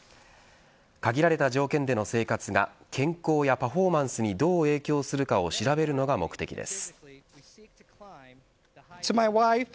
限られた条件での生活が健康やパフォーマンスにどう影響するかを調べるのが目的です。